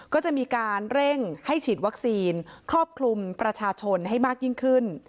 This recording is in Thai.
ก็จะมีการเร่งให้ฉีดวัคซีนครอบคลุมประชาชนให้มากยิ่งขึ้น